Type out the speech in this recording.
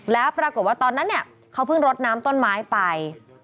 แล้วปรากฏว่าตอนนั้นเนี่ยเขาเพิ่งรดน้ำต้นไม้ไป